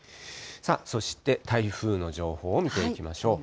そして台風の情報を見ていきましょう。